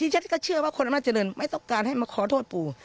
ฉันก็เชื่อว่าคนอำนาจเจริญไม่ต้องการให้มาขอโทษปู่